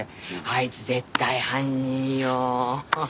あいつ絶対犯人よ。